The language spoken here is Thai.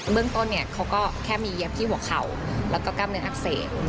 เรื่องต้นเขาก็แค่มีเย็บที่หัวเข่าแล้วก็กล้ามเนื้ออักเสบ